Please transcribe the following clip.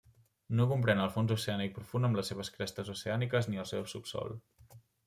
No comprèn el fons oceànic profund amb les seves crestes oceàniques ni el seu subsòl.